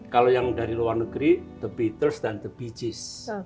kalau yang dari luar negeri the beatles dan the bee gees